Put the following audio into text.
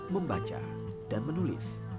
membaca dan menulis